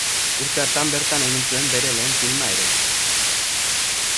Urte hartan bertan egin zuen bere lehen filma ere.